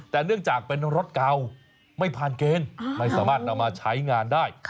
แต่เนื่องจากเป็นรถเก่าไม่ผ่านเกณฑ์ไม่สามารถนำมาใช้งานได้